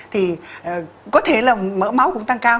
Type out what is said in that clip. thì có thể là mỡ máu cũng tăng cao